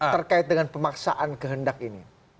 terkait dengan pemaksaan kehendak ini